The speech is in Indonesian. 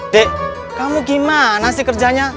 dek kamu gimana sih kerjanya